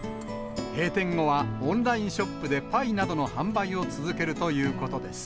閉店後は、オンラインショップでパイなどの販売を続けるということです。